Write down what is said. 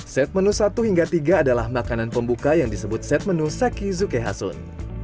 set menu satu hingga tiga adalah makanan pembuka yang disebut set menu saki zuke hasun